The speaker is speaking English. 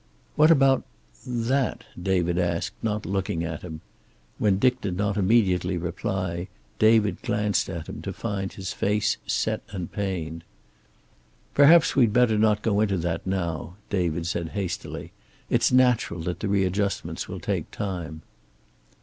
"What about that?" David asked, not looking at him. When Dick did not immediately reply David glanced at him, to find his face set and pained. "Perhaps we'd better not go into that now," David said hastily. "It's natural that the readjustments will take time."